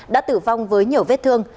đã tử vong với nhiều vết thương